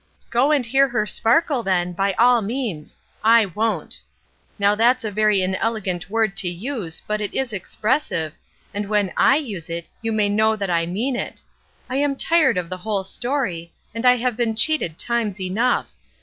"Go and hear her sparkle, then, by all means I won't. Now that's a very inelegant word to use, but it is expressive, and when I use it you may know that I mean it; I am tired of the whole story, and I have been cheated times enough.